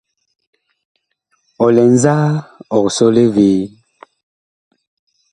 Ɔ lɛ nzaa, ɔg sɔle vee ?